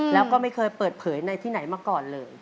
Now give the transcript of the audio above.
แล้วก็ไม่เคยเปิดเผยในที่ไหนมาก่อนเลย